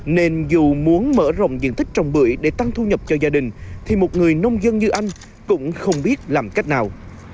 nên dù muốn mở rộng diện tích trồng bưởi để tăng thu nhập cho gia đình thì một người nông dân như anh cũng không biết làm cách nào